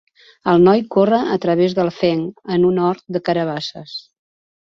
El noi corre a través del fenc en un hort de carabasses.